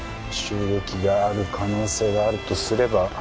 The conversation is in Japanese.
襲撃がある可能性があるとすれば。